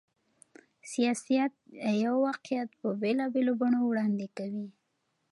سياست يو واقعيت په بېلابېلو بڼو وړاندې کوي.